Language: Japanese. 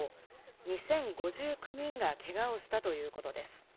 ２０５９人がけがをしたということです。